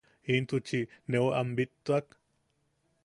¿Intuchi neu am bittuak?